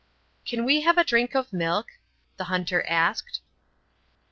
"Can we have a drink of milk?" the hunter asked.